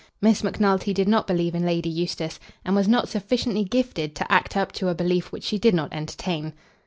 Miss Macnulty did not believe in Lady Eustace, and was not sufficiently gifted to act up to a belief which she did not entertain.